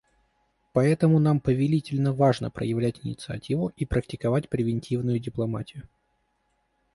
Поэтому нам повелительно важно проявлять инициативу и практиковать превентивную дипломатию.